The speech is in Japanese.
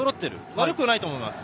悪くないと思います。